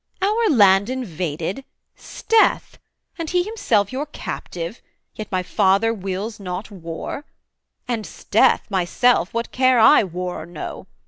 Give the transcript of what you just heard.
'Our land invaded, 'sdeath! and he himself Your captive, yet my father wills not war: And, 'sdeath! myself, what care I, war or no?